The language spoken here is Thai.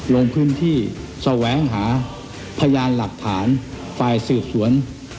ลงพื้นที่นัเว้งหาพยานหลัคฐานสืบสวน